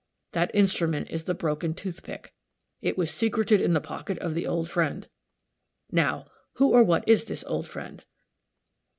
That instrument is the broken tooth pick. It was secreted in the pocket of the old friend. Now, who or what is this old friend?